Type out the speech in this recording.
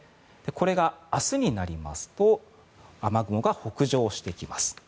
これが明日になりますと雨雲が北上してきます。